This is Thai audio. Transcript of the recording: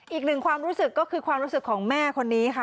อีกหนึ่งความรู้สึกก็คือความรู้สึกของแม่คนนี้ค่ะ